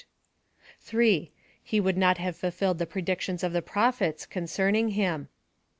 He would not have fulfilled the predictions of the prophets concerning him.